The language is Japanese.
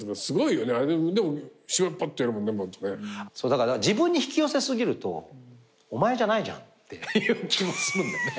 だから自分に引き寄せ過ぎるとお前じゃないじゃんっていう気もするんだよね。